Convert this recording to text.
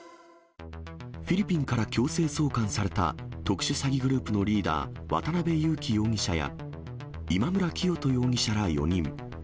フィリピンから強制送還された特殊詐欺グループのリーダー、渡辺優樹容疑者や、今村磨人容疑者ら４人。